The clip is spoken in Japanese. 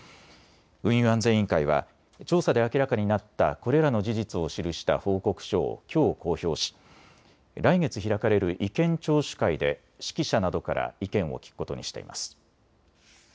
運輸安全委員会は調査で明らかになったこれらの事実を記した報告書をきょう公表し来月、開かれる意見聴取会で識者などから意見を聞くことにしています。